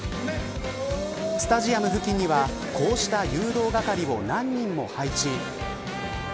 スタジアム付近にはこうした誘導係を何人も配置。